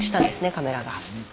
カメラが。